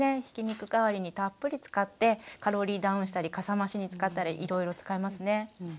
ひき肉代わりにたっぷり使ってカロリーダウンしたりかさ増しに使ったりいろいろ使えますね。